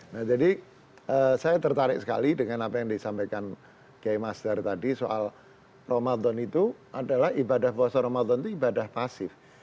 nah jadi saya tertarik sekali dengan apa yang disampaikan kiai mas dar tadi soal ramadan itu adalah ibadah puasa ramadan itu ibadah pasif